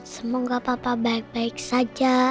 semoga papa baik baik saja